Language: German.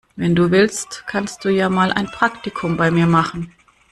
Wenn du willst, kannst du ja mal ein Praktikum bei mir machen.